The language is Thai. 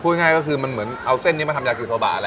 ง่ายก็คือมันเหมือนเอาเส้นนี้มาทำยากุโซบะแหละ